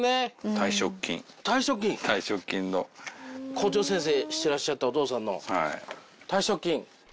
校長先生してらっしゃったお父さんの退職金。